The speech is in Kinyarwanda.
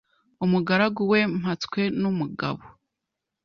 Umugaragu we Mpatswenumugabo